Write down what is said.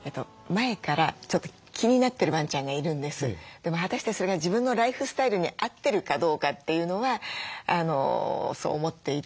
でも果たしてそれが自分のライフスタイルに合ってるかどうかというのはそう思っていて。